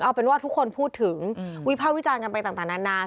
เอาเป็นว่าทุกคนพูดถึงวิภาควิจารณ์กันไปต่างนานา